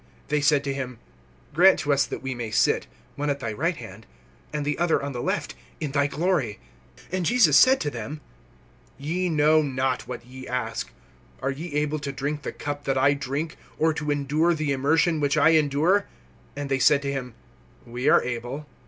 (37)They said to him: Grant to us that we may sit, one on thy right hand, and the other on the left, in thy glory. (38)And Jesus said to them: Ye know not what ye ask. Are ye able to drink the cup that I drink, or to endure the immersion which I endure? (39)And they said to him: We are able.